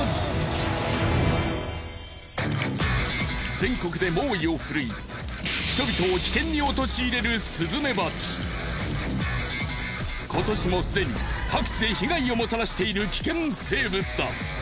全国で猛威を振るい人々を危険に陥れる今年もすでに各地で被害をもたらしている危険生物だ。